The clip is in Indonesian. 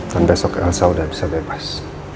dan besok elsa udah bisa bebas